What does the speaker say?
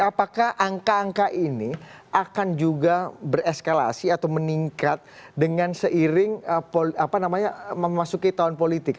apakah angka angka ini akan juga bereskalasi atau meningkat dengan seiring memasuki tahun politik